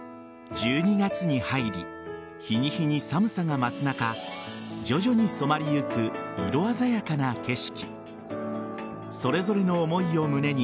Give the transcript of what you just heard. １２月に入り日に日に寒さが増す中徐々に染まりゆく色鮮やかな景色。